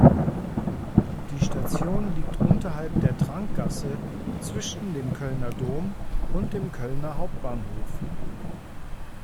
Die Station liegt unterhalb der Trankgasse zwischen dem Kölner Dom und dem Kölner Hauptbahnhof.